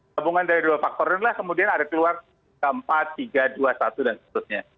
kabungan dari dua faktor adalah kemudian ada keluar empat tiga dua satu dan seterusnya